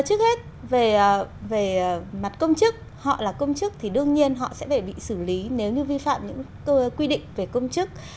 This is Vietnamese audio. trước hết về mặt công chức họ là công chức thì đương nhiên họ sẽ phải bị xử lý nếu như vi phạm những quy định về công chức